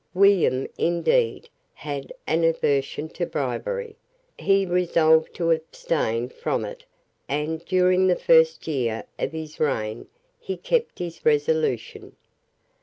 William, indeed, had an aversion to bribery; he resolved to abstain from it; and, during the first year of his reign, he kept his resolution.